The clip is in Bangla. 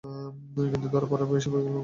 কিন্তু ধরা পড়ার ভয়ে সে পরিকল্পনা বাতিল করেন।